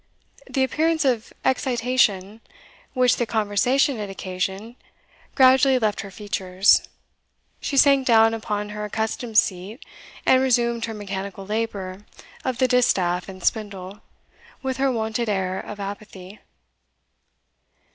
The appearance of excitation, which the conversation had occasioned, gradually left her features; she sank down upon her accustomed seat, and resumed her mechanical labour of the distaff and spindle, with her wonted air of apathy.